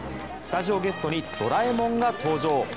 スタジオゲストにドラえもんが登場！